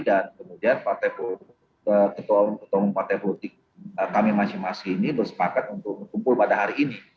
dan kemudian ketua ketua partai politik kami masing masing ini bersepakat untuk mengumpul pada hari ini